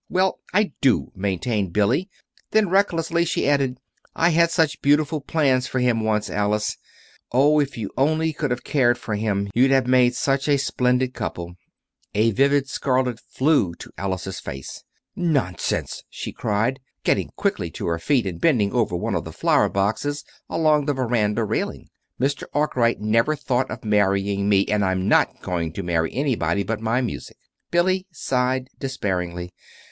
"Well, I do," maintained Billy; then, recklessly, she added: "I had such beautiful plans for him, once, Alice. Oh, if you only could have cared for him, you'd have made such a splendid couple!" A vivid scarlet flew to Alice's face. "Nonsense!" she cried, getting quickly to her feet and bending over one of the flower boxes along the veranda railing. "Mr. Arkwright never thought of marrying me and I'm not going to marry anybody but my music." Billy sighed despairingly.